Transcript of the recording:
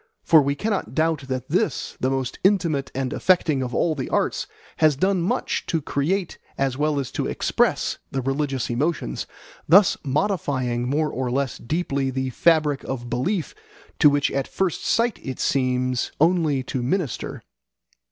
For we cannot doubt that this, the most intimate and affecting of all the arts, has done much to create as well as to express the religious emotions, thus modifying more or less deeply the fabric of belief to which at first sight it seems only to minister.